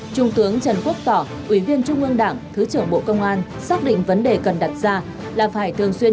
trung tướng trần quốc tỏ ủy viên trung ương đảng thứ trưởng bộ công an xác định vấn đề cần đặt ra là phải thường xuyên